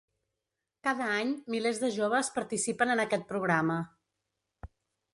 Cada any, milers de joves participen en aquest programa.